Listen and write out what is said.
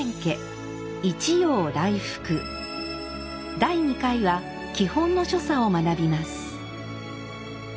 第二回は基本の所作を学びます。